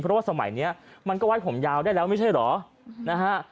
เพราะว่าสมัยนี้มันก็ไว้ผมยาวได้แล้วไม่ใช่เหรอนะฮะ